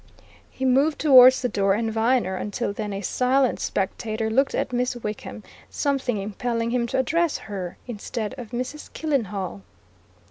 He moved towards the door, and Viner, until then a silent spectator, looked at Miss Wickham, something impelling him to address her instead of Mrs. Killenhall.